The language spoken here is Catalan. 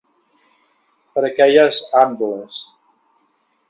Per aquelles andoles.